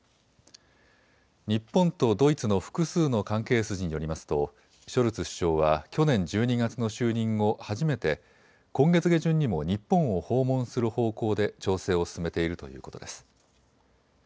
日本とドイツの複数の関係筋によりますとショルツ首相は去年１２月の就任後、初めて今月下旬にも日本を訪問する方向で調整を進めているということです。